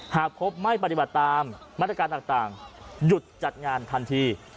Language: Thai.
หากพบไม่ปฏิบัติตามมาตรการต่างหยุดจัดงานทันที